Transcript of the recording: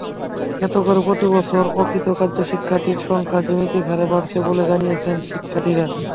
এতে করে প্রতিবছর অকৃতকার্য শিক্ষার্থীর সংখ্যা জ্যামিতিক হারে বাড়ছে বলে জানিয়েছেন শিক্ষার্থীরা।